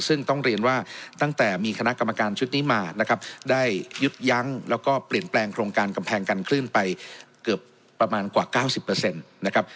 ซึ่งต้องเรียนว่าตั้งแต่มีคณะกรรมการชุดนี้มานะครับได้ยึดยั้งแล้วก็เปลี่ยนแปลงโครงการกำแพงกันคลื่นไปเกือบประมาณกว่า๙๐นะครับ